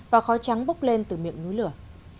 và khói trắng bốc lên từ miệng núi lửa